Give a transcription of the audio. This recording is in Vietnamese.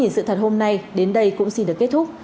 sự thật hôm nay đến đây cũng xin được kết thúc